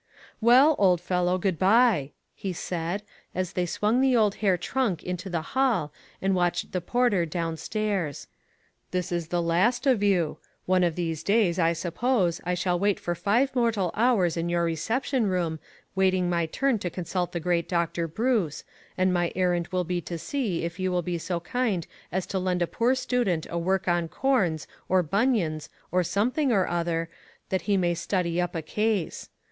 " Well, old fellow, good by," he said, as OVERDOING. 441 they swung the old hair trunk into the hall and watched the porter down stairs. " This is the last of you ; one of these days, I suppose, I shall wait for five mortal hours in your reception room waiting my turn to consult the great Doctor Bruce, and my errand will be to see if you will be so kind as to lend a poor student a work on corns, or bunions, or something or other, that he may study up a case.